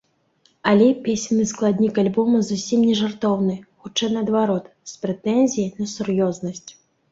Але песенны складнік альбома зусім не жартоўны, хутчэй наадварот, з прэтэнзіяй на сур'ёзнасць.